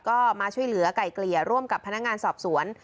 ก็มาช่วยเหลือไก่เกลี่ยร่วมกับพนักงานสอบสวน